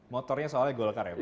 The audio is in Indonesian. motornya soalnya golkar ya pak